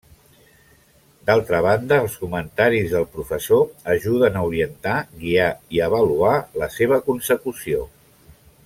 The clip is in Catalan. D’altra banda, els comentaris del professor ajuden a orientar, guiar i avaluar la seva consecució.